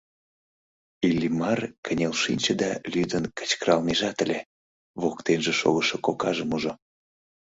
Иллимар кынел шинче да лӱдын кычкыралнежат ыле — воктенже шогышо кокажым ужо.